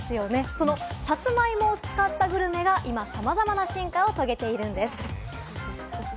そのさつまいもを使ったグルメが今、さまざまな進化を遂げているんです。